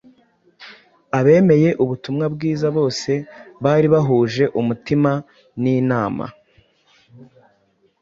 Abemeye ubutumwa bwiza bose “bari bahuje umutima n’inama.”